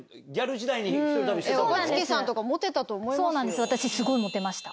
若槻さんとかモテたと思いますよ。